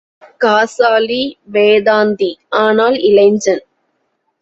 காசாலி, வேதாந்தி ஆனால் இளைஞன்.